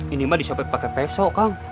ini mah disobek pake peso kang